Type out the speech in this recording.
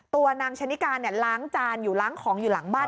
ตัวนางชะนิการล้างจานอยู่ล้างของอยู่หลังบ้าน